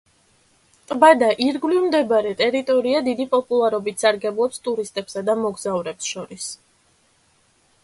ტბა და ირგვლივ მდებარე ტერიტორია დიდი პოპულარობით სარგებლობს ტურისტებსა და მოგზაურებს შორის.